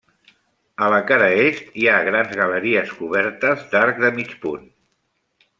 A la cara est, hi ha grans galeries cobertes d'arc de mig punt.